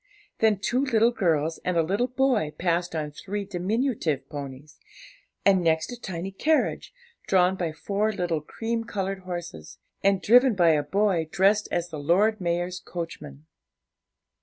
Then two little girls and a little boy passed on three diminutive ponies, and next a tiny carriage, drawn by four little cream coloured horses, and driven by a boy dressed as the Lord Mayor's coachman.